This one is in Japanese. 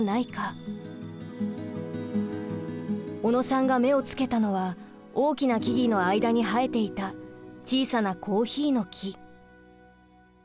小野さんが目をつけたのは大きな木々の間に生えていた小さなコーヒーの木。